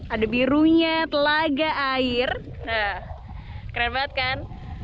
ada birunya telaga air keren banget kan